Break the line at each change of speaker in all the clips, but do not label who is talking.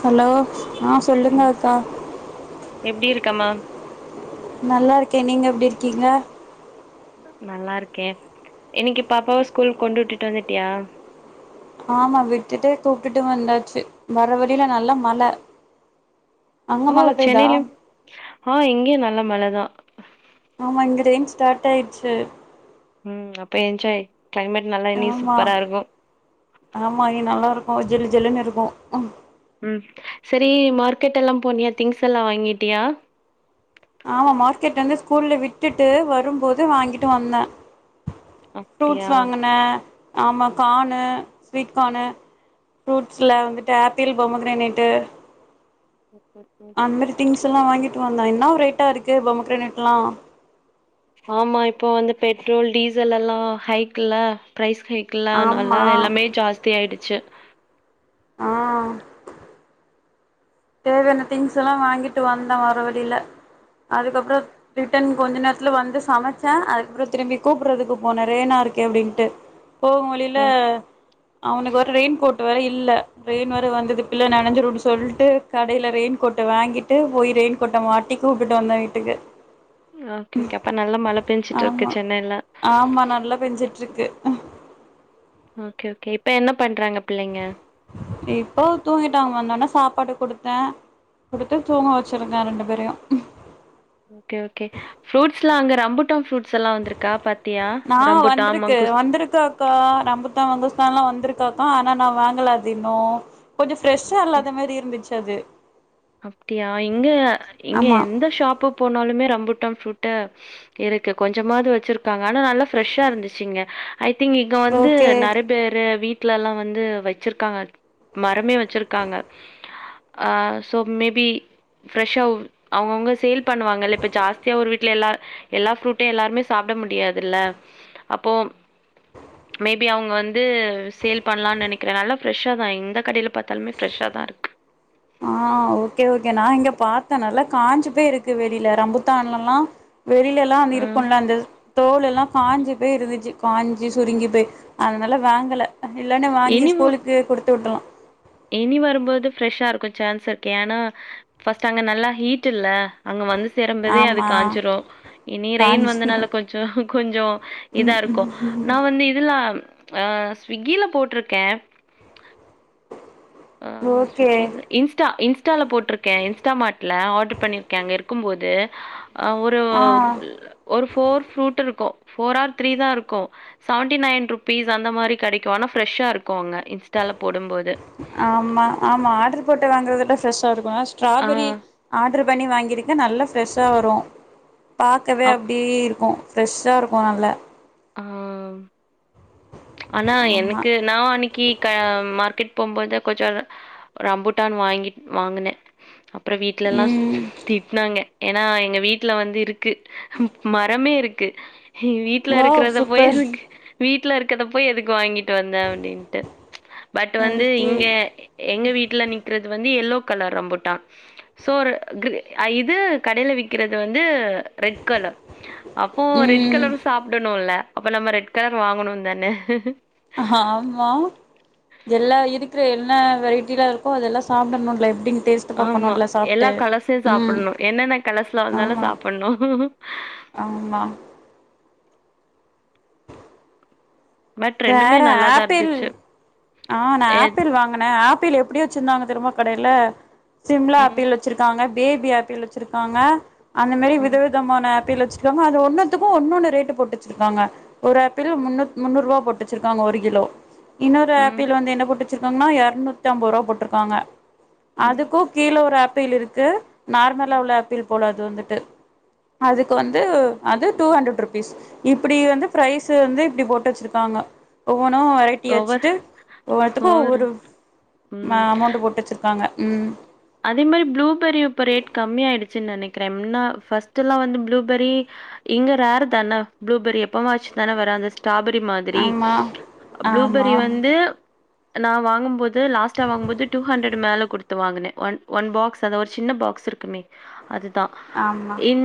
Hello ஆஹ் சொல்லுங்க
ம்
அக்கா
எப்டி இருக்கம்மா
நல்லாருக்கேன் நீங்க எப்படி இருக்கீங்க
நல்லா இருக்கேன் இன்னைக்கு பாப்பாவ ஸ்கூல் கொண்டுட்டுட்டு வந்துட்டியா
ஆமா விட்டுட்டு கூப்டுட்டு வந்தாச்சு வர வழில நல்லா மழ அங்க மழ பெய்தா
ஆஹ் எங்கேயும் நல்ல மழதான்
ஆமா இங்க ரெயின் ஸ்டார்ட் ஆயிட்ச்சு
உம் அப்ப என்ஜாய் கிளைமேட் நல்லா இனி
ஆமா
சூப்பரா இருக்கு
ஓஹ் ஜிலு ஜிலுன்னு இருக்கு
ம் சரி மார்க்கெட் எல்லா போனியா திங்ஸ் எல்லா வாங்கிட்டியா
ஆமா மார்க்கெட் வந்து ஸ்கூல்ல விட்டுட்டு வரும்போது வாங்கிட்டு வந்தேன் ஃப்ரூட்ஸ்
அப்டியா
வாங்குனே ஆமாம் கான்னு ஸ்வீட் கான்னு ஃப்ரூட்ஸ் ல வந்துட்டு ஆப்பிள் பொமகிரனைட்
ம்.
அந்திர திங்ஸ் வாங்கிட்டு வந்தான் என்ன ரேட்டா இருக்கு பொமகிரேட்லாம்
ஆமா இப்போ வந்து பெட்ரோல் டீசல் எல்லாம் ஹைக்ல்ல ப்ரைஸ் சைக்கிள்லாம்
ஆமா
நல்லா எல்லாமே ஜாஸ்தி ஆயிடுச்சு
ஆஹ் தேவையான திங்ஸ்ல்லாம் வாங்கிட்டு வந்தேன் வர வழில அதுக்கப்புறம் ரிட்டன் கொஞ்ச நேரத்துல வந்து சமைச்சேன் அதுக்கப்புறம் திரும்பி கூப்பிறதுக்கு போனே ரெய்னா இருக்கே அப்படின்னுட்டு போகும் வழியில
ம்
அவனுக்கு வேற ரெயின்கோட் வேற இல்ல ரெயின் வேற வந்தது பிள்ள நெனைஞ்சிடும்னு சொல்ட்டு கடையில ரெயின்கோட்ட வாங்கிட்டு போய் ரெயின்கோட்ட மாட்டி கூப்பிட்டு வந்தேன் வீட்டுக்கு
ஓகே ஓகே அப்ப நல்லா மழ பெஞ்சுட்டு இருக்கு
ஆமா
சென்னைல
ஆமா நல்லா பெஞ்சிட்ருக்கு
ஓகே ஓகே இப்ப என்ன பண்றாங்க பிள்ளைங்க
இப்போ தூங்கிட்டாங்க வந்தொன்ன சாப்பாடு கொடுத்தேன் கொடுத்து தூங்க வெச்சுருக்கெ ரெண்டு பேரையும்
ஓகே ஓகே ஃப்ரூட்ஸ்லாம் அங்க ரம்புட்டம் ஃப்ரூட்ஸ்லாம் வந்திருக்கா பா
ஆன் வந்திருக்கு வந்திருக்க அக்கா ரம்பு ரங்குஸ்தான்லாம் வந்திருக்காக்கா ஆனா நான் வாங்கல அது இன்னும் கொஞ்சம் பிரெஷ்ஷா இல்லாதமாரி இருந்துச்சு அது
அப்படியா இங்க இங்க
ஆமா
எந்த ஷாப்பு போனாலுமே ரம்பூட்டாம் ஃபுருட் இருக்கு கொஞ்சமாவது வெச்சிருக்காங்க ஆனா நல்லா ஃப்ரெஷ்ஷா இருந்துச்சு இங்க ஐ திங்க் இங்க வந்து
ஓகே
நெறய பேர் வீட் வீட்லலாம் வந்து வெச்சிருக்காங்க மரமே வெச்சிருக்காங்க ஆஹ் ஸோ மேபி ஃப்ரெஷ்ஷாக அவங்கவுங்க சேல் பண்ணுவாங்கல இப்ப ஜாஸ்திய ஒரு வீட்டு வீல எல்ல எல்லா ஃப்ரூட்டும் எல்லாருமே சாப்பிட முடியாதுல்ல அப்போ மேபி அவங்க வந்து சேல் பண்ணலாம்னு நெனைக்கிறே நால்ல ஃப்ரெஷ்ஷா தான் எந்த கடையில பாத்தாலுமே ஃப்ரெஷ்ஷா தான் இருக்கு
ஆஹ் ஓகே ஓகே நான் இங்க பாத்தேன் நல்லா வேல காஞ்சு போய் இருக்கு வெளியிலலா ரம்புத்தான்லல்லாம் வெளியில எல்லாம்
ம்.
இருக்கும்ல அந்த தோல எல்லாம் காஞ்சு போய் இருந்துச்சு காஞ்சி சுருங்கி போய் அதனால வாங்கல இல்லன்னே வாங்கி
இனி மு
ஸ்கூலுக்கு குடுத்து விட்டுற்லாம்
இனி வரும்போது ஃப்ரெஷ்ஷா இருக்கும் ஷான்ஸ் இருக்கு ஏன்னா ஃபர்ஸ்ட் அங்க நல்லா ஹீட் இல்ல அங்க வந்து தெறம்சதே அது
ஆமா
காஞ்சிரும் இனி ரெயின்
காஞ்சு
வந்தனால கொஞ்சோ கொஞ்சோ இதா இருக்கோ நா வந்து இதுலான் ஆஹ் ஸ்விக்கில போட்டிருக்கே ஆஹ்
ஓகே
சுவிக்கில இன்ஸ்டா இன்ஸ் இன்ஸ்டால போட்டிருக்கே இன்ஸ்டா மார்ட்ல ஆர்டர் பண்ணிருக்கே அங்க இருக்கும் போது அ ஒரு
ஆ
ஒரு ஃபோர் ஃரூட் இருக் கு ஃபோர் ஆர் த்ரீ தா இருக்கோ சவண்டி நைன் ருபீஸ் அந்த மாரி கெடைக்கொ ஆனா பிரெஷ்ஷா இருக்கோ அங்க இன்ஸ்டாலப்
ஆமா ஆமா ஆடர் போட்டு வாங்கறதுல ஃப்ரெஷ்ஷா இருக் ப்ப
ஆ
ஸ்டாபெரி ஆட் ஆட்ரு பண்ணி வாங்கியிருக்க நல்லா ஃப்ரெஷ்ஷா வரு பாக்கவே
அப்
அப்டி இருக்கு ஃப்ரெஷ்ஷா இருக்கு நல்ல
ஆ ஆனா எனக்கு நா அன்னக்கி க மார்க்கெட் போம் போது கொஞ்சோ ஒரு அம்புட்டான் வாங்கிட் வாங்குனே அப்றோ வீட்லலா
ம்
திட்டினாங்க ஏனா எங்க வீட்டுல வந்து இருக்கு மரமே இருக்கு வீட்டுல
வாவ்
இருக்குறத போய்
சூப்பர்
வீட் ட்லருக் க்கத போய் எதுக்கு வாங்கிட் வந்த அப்டின்டு பட் வந்து
ஓகே
இங்க எங்க வீட்டுல நிக்றது வந்து எல்லோ கலர் ரம்புட்டா சோ ஒரு இது கடையில விக்றது வந்து ரெட் கலர் அப்போ ரெட்
ம்
கலரு சாப்டணுல்ல அப்ப நம்ம ரெட் கலர் வாங்கணோ தானே
ஆமா எல்லா இருக்கிற எல்ல வெரைடிலருக்கோ அதெல்லா சாப்டணுல எப்டின்
ஆமா எல்லா கலர்சையு
ம்
சாப்புட்னு என்னென்ன கலர்ஸ்ல வந்தாலு
ஆமா
சாப்புட்னு
ஆமா
பட் ரெண்டுமே
வேற
நல்லாதா
ஆப்பிள்
இருந்துச்சு
ஆ நா ஆப்பிள் வாங்கனே ஆப்பிள் எப் எப்டி வச்சுருந்தாங்க தெரிமா கடைல சிம்லா
ம்,
ஆப்பிள் வச்சிருக்காங்க பேபி ஆப்பிள் வச்சிருக்காங்க அந்த மாரி
ம்,
விதவிதமான ஆப் ஆப்பிள் வச்சிருக்காங்க அது ஒன்னத்துக்கு ஒன்னொன்னு ரெட்டு போட்டு வச்சிருக்காங்க ஒரு ஆப்பிள் முன்னூத் முன்னூரூபா போட்டுவச்சிருக்காங்க ஒரு கிலோ இன்னொரு
ம்,
ஆப்பிள் வந்து என்ன போட்டு சிருக்காங்கன்னா இருநூத்தி ஐம்பது ரூபா போட்ருக்காங்க
ம்,
அதுக்கும் கீழ ஒரு ஆப் பிள் இருக்கு நார்மலா
ம்.
உள்ள ஆப்பிள் போலா அது து வந்துட்டு அதுக்கு வந்து அது டூ ஹண்டரட் ருபீஸ் இப்டி வந்து பிரைஸ் வந்து இப்டி போட்டு வச்சிருக்க காங்க ஓ ஒவ்வொன்னு வெரைட்டி
ஓவர்
வச்சுட்டு ஒவ்வொத்துக்கு
ஓவர்
ஒவ்வொரு
ம்.
அமௌண்ட போட்டு வச்சிருக்காங்க உம்
அதே மாரி ப்ளூபெரி இப்ப ரேட் கம்மிய ஆயிடுச்சன்னு நெனைக்கிறே முன்ன ப்ஸ்ட்டு எல்லாம வந்து ப்ளூபர்ரி இங்க ரேர்றதானா ப்ளூபெரி எப்பமா வச்சு தான வர அந்த ஸ்ட்ராபெரி மாதிரி
ஆமா ஆமா
ப்ளூபெரி வந்து நா வாங்கும்போது லாஸ்ட்டா வாங்கும்போது டூ ஹண்ட்ரட் மேல கொடுத்து வாங்கினே ஒன் ஒன் பாக்ஸ் அத ஒரு சின்ன பாக்ஸ் இருக்குமே அதுதா
ஆமா
இன்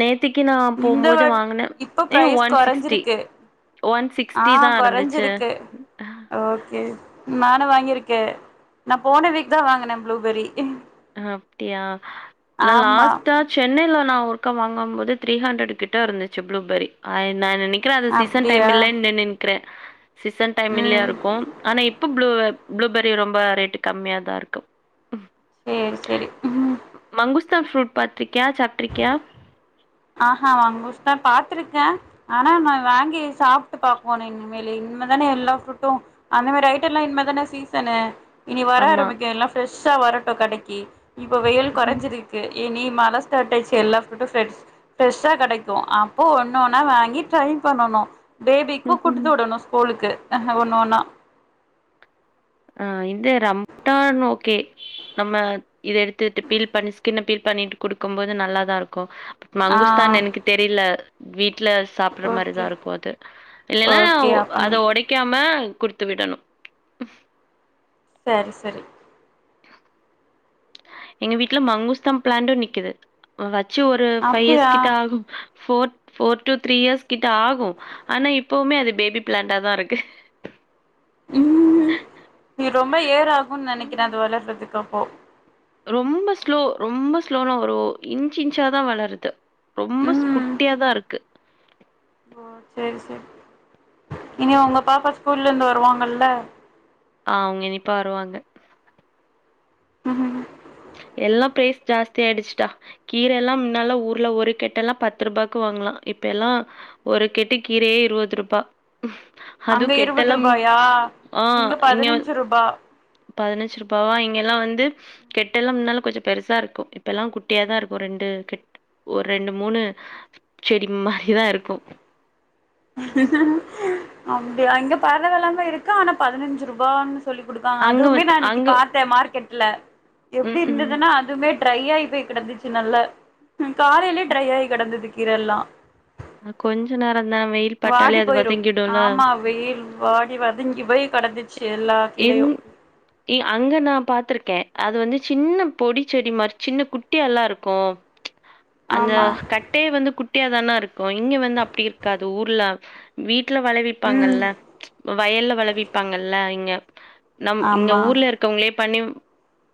நே த்தைக்கு நா
இந்த
போம்போது
வாட்
வாங்கினே
இப்ப
ஏ
ப்ரைஸ்
ஒன் சிக்ஸ்டி
கொறஞ்சிருக்கு
ஒன்
ஆ
சிக்ஸ்டி தா இருந்துச்சு
கொறஞ்சிருக்கு வாங்கிருக்கே நா போன வீக் தா வாங்கினே ப்ளூபெரி
அப்டியா நா
ஆமா
லாஸ்டா சென்னையில நா ஒருர்க்க வாங்கு போது த்ரீ ஹண்ட்ரட் கிட்ட இருந்துச்சு ப்ளூபர்ரி ஐந் நா நெனைக்கிற சீசன் டைம்
அப்டியா
இல்லனுன்னு க்கிற சீசன் டைம் இல்லயா
ம்
இருக்கு ஆனா இப் இப்ப ப்ளுவ ப்ளூபரி ரொம்ப ரேட்டு கம்மியாதா இருக்கு
சரி சரி உஹ்ம்
அங்குஸ்தா ஃப்ரூட் பாத்ருக்கியா சாப்ட்ருக்கியா
ஆஹ்ஹா அங்குஸ்தா பாத்திருக்க ஆனா நா வாங்கி சாப்ட்டு பாக்கோன்னு இனிமல இனிமதானே எல்லா ஃப்ரூட்டு அந்த மாதிரி ஐட்டல்லா இனிமதானே சீசனு இ நீ வர
ஆமா.
ஆரம்பிக்க எல்லா ப்ரஷ் உஷா வரட்டு கடைக்கு இப்போ வெயில் கொறைஞ்சிருக்கு ஏ நீ மலாஸ்ட ஆயச்ச எல்லா ஃட்டோஃண்ட்ஸ் ஃப்ரெஷ்ஷா கெடைக்கு அப்போ ஒண்ணு ஒன்னா வாங்கி ட்ரை பண்ணணு பேபிக்கு குடுத்து உடணு ஸ்கூலுக்கு ஆஹ ஒண்ண ஒண்ணா
ஆஹ் இந்த ரம்ட்டான் ஒகே நம்ம இத எடுத்துட்டு பீல் பண்ணி ஸ்கின் பீல் பண்ணிட்டு குடுக்கு போது நல்லாதாருக்கு
ஆ
மங்குஸ்தான் எனக்கு தெரியல வீட் வீட்ல சாப்பற
ஓகே
மாரிதா இருக்கு அது இல்லன்னா
ஓகே அப்ப
அத ஒடைக்காம குடுத்து விடணு
சரி சரி
எங்க வீட்டுல மங்குஸ்தா பிளாண்டு நிக்குது வச்ச ச்சு ஒரு ஃபைவ் இயர்ஸ்
அப்டியா
கிட்ட ஆகு four four to three years கிட்ட ஆகு ஆனா இப்பவுமே அது பேபி பிளாண்டாதா இருக்கு
உம் நீ ரொம்ப ஏற ஆகும்னு நெனைக்கிற அது வளர்றதுக்க போ
ரொம்ப ஸ்லோ ரொம்ப ஸ்லோன்ன ஒரு இன்ச் இன்ச்சா தா வளருது ரொம்ப
ம்
ஸ்குட்டியாதா இருக்கு.
ஓ செரி சேரி இனி உங்க பாப்பா ஸ்கூல்ல இருந்து வருவாங்கல்ல.
ஆஹ் அவுங்க இனி இப்ப வருவாங்க.
உஹம்ஹ
எல்லாம் பிரைஸ் ஜாஸ்திய ஆயிடுச்சுட்டா. கீர எல்லா முன்னல்ல ஊர்ல ஒரு கெட்டு எல்லா பத்து ரூபாக்கு வாங்கலா இப்ப எல்லா ஒரு கெட்டு கீரையே இருபது ரூபா.
அங்க
அதுவும்
இருவது
கெட்டலாம்
ரூபாயா
ஆஹ் இங்க
பதினஞ்சு ரூபா
பதினஞ்சு ரூபாவா இங்கெல்லாம் வந்து கெட் கெட் எல்லாம் முன்னெல்லா கொஞ்சோ பெருசா இருக்கோ இப்ப எல்லா குட்டியாதா இருக்கோ ரெண்டு கெட் ஒரு ரெண்டு மூணு செடி மாரிதா இருக்கோ
அப்டியா இங்க பரவால்லாம இருக்கு ஆனா பதினஞ்சு ரூபான்னு ஸ் சொல்லி குடுக்காங்க.
அங்க
அதுமே
வந்து
நா இன்னிக்கு
அங்க
பாத்தே மார்க்கெட் இல்ல எப்டி
ம் ம்
இருந்துன்னா அதுமே ட்ரை ஆகி போய் கிடந்துச்சு நல்ல காலையிலயே ட்ரை ஆகி கிடந்தது கீரல்லா
ம் கொஞ்ச நேரம்
வாடி போயிரும் ஆமா வெயில் வாடி வதங்கி போய் கடந்து
இன் இ அங்க நான் பாத்ருக்கேன். அது வந்து சின்ன பொடி செடி மாரி சின்ன குட்டியால்லா இருக்கும் அந்த
ஆமா
கட்டைய வந்து குட் ட்டியா தான இருக்கும் இங்க வந்து அப்டி இருக்காது. ஊர்ல வீட் வீட்ல
ம்
வளவிப்பாங்கல்ல வயல்ல வளவிப்பாங்கல்ல [unintelligible] நம் இங்க
ஆமா
ஊர்ல இருக்கவங்களே பண்ணி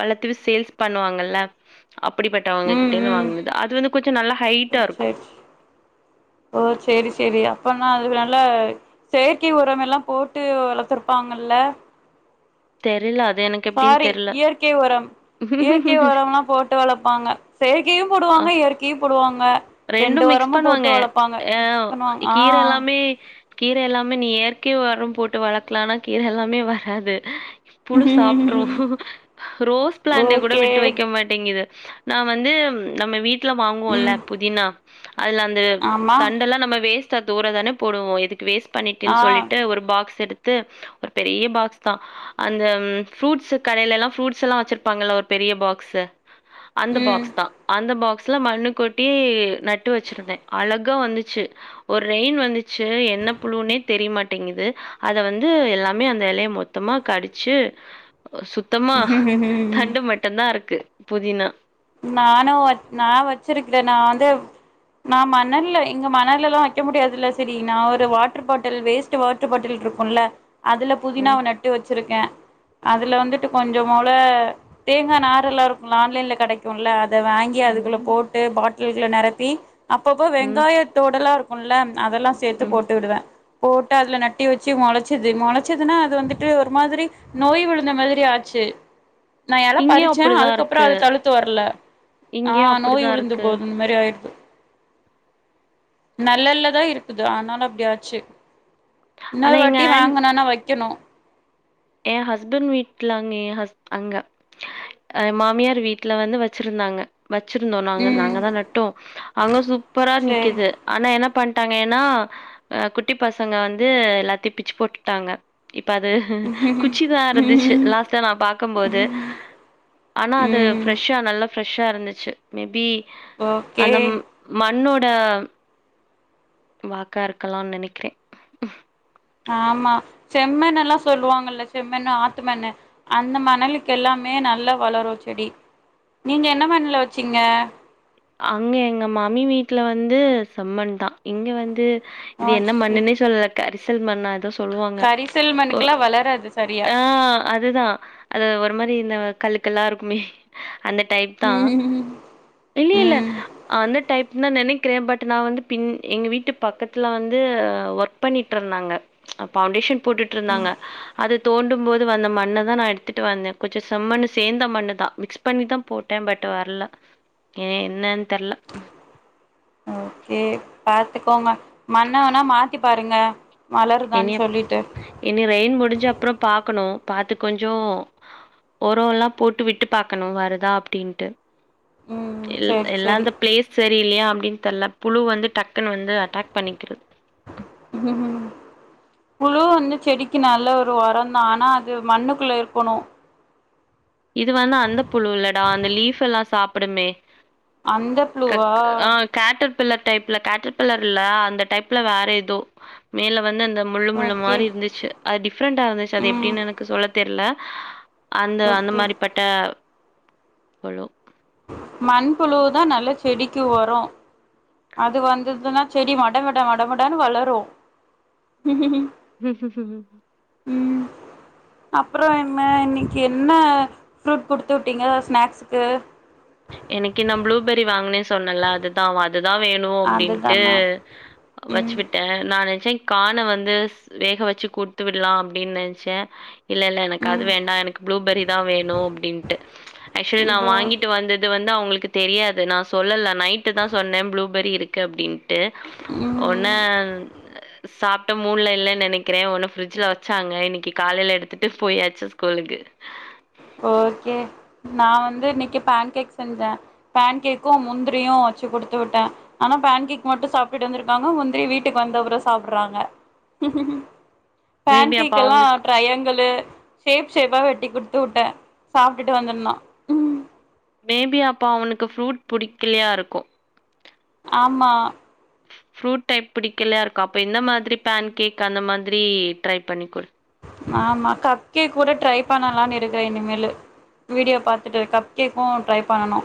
வளர்த்து சேல்ஸ் பண்ணுவாங்கல்ல அப்படிப்பட்ட அவங்க கிட்டே இருந்து வாங்கினது அது வந்து குச்ச நல்லா ஹைட்டா இருக்கும்.
சரி ஓ செரி செரி அப்ப னா அது நல்ல செயற்கை உரமெல்லாம் போட்டு வளர்த்துருப்பாங்கல்ல
தெரில அத்
சாரி இயற்கை உரம் இயற்கை உரம்லாம் போட்டு வளப்பாங்க செயற்கையும்
ஆ.
போடுவாங்க இயற்கையு போடுவாங்க ரெண்டு
ரெண்டும் மிக்ஸ்
உரமு போட்டு
பண்ணுவாங்க
வளப்பாங்க
அ
மிக்ஸ் பண்ணுவாங்க
கீர
ஆ
எல்லாமே கீர எல்லாமே நீ இயற்கை உரம் போட்டு வளக்கலானா கீர எல்லாமே வராது புழு சாப்பிட்டுரு ரோஸ் பிளாண்ட கூட
ஓகே
விட்டு வெக்க மாட்டேங்குது நா வந்து நம்ம வீ ட்ல வாங்குவோல்ல
ம்
[unintelligible] அதுல அந்த
ஆமா
தண்டல்லாம் நம்ம வேஸ்ட் டா தூர தானே போடுவோ இதுக்கு வேஸ் டு பண்ணிட்டுன்னு
ஆ
சொல்லிட்டு ஒரு பாக்ஸ் எடுத் து ஒரு பெரிய பாக்ஸ் தான் அந்த ஃப்ரூட்ஸ் கடேலேலாம் ஃப்ரூட்ஸ்ல்லாம் வச்சிருப்பாங்கல்ல ஒரு பெரிய பாக்ஸு அந்த
ம்
பாக்ஸ் தான் அந்த பாக்ஸ் ஸ்ல மண்ணு கொட் ட்டி நட்டு வச்சிருந்தேன் அழகா வந்துச்சு ஒரு ரெயின் வந்துச்சு என்ன புழுனே தெரியமாட்டேங்குது அத வந்து எல்லாமே அந்த இலைய மொத்தமா கடுச்சு சுத்தமா தண்டு மட்டும்தான் இருக் க்கு புதினா
நானும் நான் வச்சிருக்கிறேன் நான் வந்து நான் மணல்ல இங்க மணல்லல்லாம் வைக்க முடியாதுல்ல சரி நான் ஒரு water bottle waste water bottle இருக்கும்ல அதுல
ம்
புதினாவ நட்டு வச்சு சுருக்கேன் அதுல வந்துட்டு கொஞ்சம்போல தேங்கா நாறு எல்லாம் இருக்கும்ல ஆன்லைன்ல கெடைக் குல்ல அத வாங்கி அதுக்குள்ள
ம்
போட்டு பாட் டில்ல நெரப்பி அப்பப்ப
ம்
வெங்காய தோடெல்லா இருக் குள்ள அதல்லாம் சேத்து
ம்
போட்டு விடுவேன் போட்டு அதுல நட்டி வச்சு முளைச்சுது முளைச்சுதுன்னா அது வந்துட்டு ஒரு மாதிரி நோய் விழுந்த மாதிரி ஆச்சு நான் இல
இங்கேயு
பறிச்சேன்
அப்படிதா
அதுக்கப்புறம்
இருக்கு
அத தழு வர்ல
இங்கேயு
ஆஹ் நோய்
அப்படிதா
விழுந்து
இருக்கு
போது இந்த மாதிரி [unintelligible] நெலல்லதான் இருக்குது ஆனாலும் அப்டி ஆச்சு
ஆனா
இன்னொரு
எங்க
வாட்டி வாங்கனும்னா வைக்கணும்
என் ஹஸ்பண்ட் வீட்லாங்கே என் ஹஸ் அங்க என் மாமியார் வீட்ல வந்து வச்சிருந்தாங்க வச்சிருந்தோம் நாங்க
ம்
நாங்க தான் நட்டோம் அங்க சூப்பரா
சேரி
நி்க்கது ஆனா என்னா பண்ட்டாங்க ஏன்னா அஹ் குட்டி பசங்க வந்து எல்லாத்தையும் பிச்சு போட்டுட்டாங்க இப்ப அது குச்சி தான் இருந்துச்சு
ம்
லாஸ்டா நான் பாக்கும் போது ஆனா அது ஃபிரெஷ்ஷா நல்லா ஃப்ரெஷ்ஷா இருந்துச்சு மேபி
ஓகே
அந்த மண்ணோ ட வாக்கா இருக்கலானு நெனைக்கிறேன்
ஆமா செம்மண் எல்லாம் சொல்லுவாங்கல்ல செம்மண்ணு ஆத்துமண்ணு அந்த மணலுக்கெல்லாமே நல்லா வளரும் செடி நீங்க என்ன மண்ணுல வச்சீங்க
அங்க எங்க மாமி வீட்ல வந்து செம்மண் தான் இங்க வந்து
ஆ
இது என்ன
சேரி
மண்ணுன்னே சொல்லல கரி சொல்மா நா எதோ சொல்லுவாங்க
கரிசல் மண்ணுக்கெல்லா வளராது சரியா
ஆ அதுதா அது ஒரு மாரி இந்த கல்லு கல்லா இருக்குமே அந்த டைப் தா
ம்
இல்ல
ம்
அந்த டை நா நெனைக்குறே பட் நா வந்து பின் எங்க வீட்டு பக்கத்துல வந்து ஒர்க் பண்ணிட்டு இருந்தாங்க பவுண்டேஷன் போட்டுட்ருந்தாங்க அது தோண்டும் போது வந்த மண்னா தான் நான் எடுத்துட்டு வந்தேன் கொஞ்சம் செம்மண்ணு சேர்ந்த மண்ணுதா மிக்ஸ் பண்ணிதா போட்டேன் பட் வரல எ என்னன் தெர்ல
ஓகே பாத்துக்கோங்க மண்ண வேனா மாத்தி பாருங்க வளருதான்
இனிப்
சொல்லிட்டு
இனி ரெயின் முடிஞ்ச அப்புறம் பாக்கணோ பார்த்து கொஞ்சோ ஒரோலா போட்டு விட்டு பாக்கணோ வருதா அப்டின்ட்டு
ம்
எல்
சேரி
எல்லா
சேரி
அந்த பிளேஸ் சரி இல்லயா அப்பிடின்னு தெர்ல புழு வந்து டக்குன் வந்து அட்டாக் பண்ணிக்ருது
ம் புழு வந்து செடிக்கு நல்ல ஒரு ஒரோ தா ஆனா அது மண்ணுக்குள்ள இருக்கணோ
இது வந்து அந்த புழு இல்லடா அந்த லீஃபுலா சாப்பிடுமே
அந்த புழுவா
கக் ஆ கேட்டர் பில்லர் டைப்ல கேட்டர்பில்லர் இல்ல அந்த டைப்ல வேற ஏதோ மேல வந்து அந்த முள்ளு முள்ளு
ஓகே
மாரி இருந்துச்சு அது டிஃப்ரெண்டா இருந்துச்சு அது
ம்
எப்டின்னு எனக்கு சொல்ல தெர்ல அந்த அந்த
ஓகே
மாரி பட்ட பழோ
மண்புழுவுதா நல்ல செடிக்கு ஒரோ அது வந்துதுன்னா செடி மட் மட மட மடானு வளரோ
ம் ஹ்ம்ம்
ம் அப்ரோ என்ன இன்னிக்கு என்ன ஃப்ரூட் குடுத்து விட்டீங்க ஸ்நாக்ஸுக்கு
இன்னிக்கு நா ப்ளூபெரி வாங்குனே சொன்னல அதுதா அவ அதுதா வேணோ அப்டின்ட்டு
அதுதானா
வெச்சு
ம்
விட்டே நானு ஸ்வீட் கான வந்து வேக வெச்சு குடுத்து விடுலா அப்டின் நென்ச்சே இல்ல இல்ல எனக்கு அது
ம்
வேண்டா எனக்கு ப்ளூபெரி தா வேணோ அப்டின்ட்டு ஆக்சுவலி நா
இப்போ
வாங்கிட்டு வந்து வந்து அவுங்குளுக்கு தெரியாது நா சொல்லல நைட்டு தா சொன்ன ப்ளூபெரி இருக்கு அப்டின் ட்டு
ம்
ஓன்னு சாப்ட்ட மூட்ல இல்லன்னு நெனைக்கிறே ஒன்னு பிரிட்ஜ்ல வெச்சாங்க இன்னைக்கு காலைல எடுத்துட்டு போயாச்சு ஸ்கூலுக்கு
ஓகே நா வந்து இன்னைக்கு பேன் கேக் செஞ்சே பேன் கேக்கு முந்திரியு வச்சு குடுத்து விட்ட ஆனா பேன் கேக் மட்டு சாப்ட்டு வந்திருக்காங்க முந்திரி வீட்டுக்கு வந்தப்ரொ சாப்புட்றாங்க பேன்
மேபி அப்ப
கேக் எல்லா
அவங்களுக்கு
ட்ரையாங்களு ஷேப் ஷேப்பா வெட்டி குடுத் து விட்டே சாப்டுட்டு வந்துர்ணும் ம்ஹ்
மேபி அப்ப அவனுக்கு ஃப்ரூட் புடிக்லியா இருக்கு
ஆமா
ஃப்ரூட் டைப் புடிக்கலயா இருக்கு அப்ப இந்த மாத்ரி பேன் கேக் அந்த மாத்ரி ட்ரை பண்ணி குடு
ஆமா கப்கேக் கூட ட்ரை பண்ணலான்னு இருக்க இனிமேலு வீடியோ பாத்துட்டு கப்கேக்கு ட்ரை பண்ணணு